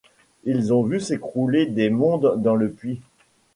Ils ont vu s’écrouler des mondes dans le puits